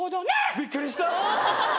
びっくりした。